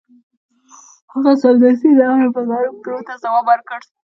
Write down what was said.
هغه سمدستي د امر بالمعروف ګروپ ته ځواب ورکړ.